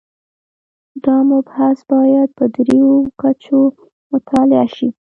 دا مبحث باید په درېیو کچو مطالعه شي.